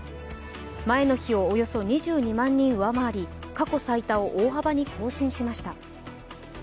前の日をおよそ２２万人上回り過去最多を大幅に更新しました。